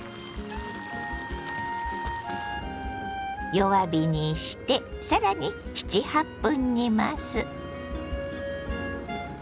弱火にして更に７８分煮ます。